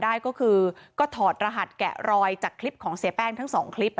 ได้ก็คือก็ถอดรหัสแกะรอยจากคลิปของเสียแป้งทั้งสองคลิป